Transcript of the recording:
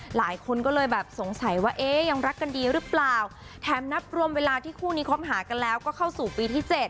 หลายคนก็เลยแบบสงสัยว่าเอ๊ะยังรักกันดีหรือเปล่าแถมนับรวมเวลาที่คู่นี้คบหากันแล้วก็เข้าสู่ปีที่๗